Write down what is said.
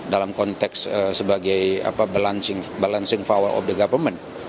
dalam konteks sebagai balancing power of the government